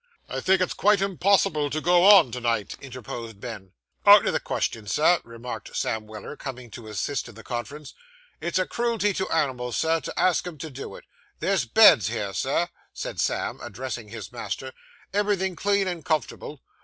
'I think it's quite impossible to go on to night,' interposed Ben. 'Out of the question, sir,' remarked Sam Weller, coming to assist in the conference; 'it's a cruelty to animals, sir, to ask 'em to do it. There's beds here, sir,' said Sam, addressing his master, 'everything clean and comfortable.